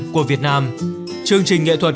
của việt nam chương trình nghệ thuật